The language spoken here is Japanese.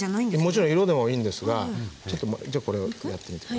もちろん色でもいいんですがちょっとじゃあこれをやってみて下さい。